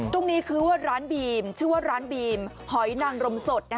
ตรงนี้คือว่าร้านบีมชื่อว่าร้านบีมหอยนางรมสด